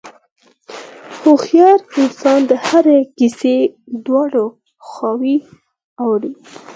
هوښیار انسان د هرې کیسې دواړه خواوې اوري.